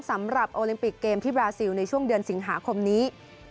สำหรับโอลิมปิกเกมที่บราซิลในช่วงเดือนสิงหาคมนี้